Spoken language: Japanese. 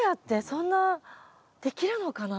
そんなできるのかな？